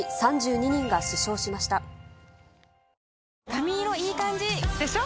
髪色いい感じ！でしょ？